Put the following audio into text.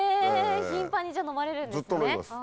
頻繁に飲まれるんですね。